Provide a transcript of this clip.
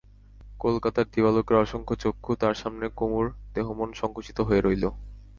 কলকাতার দিবালোকের অসংখ্য চক্ষু, তার সামনে কুমুর দেহমন সংকুচিত হয়ে রইল।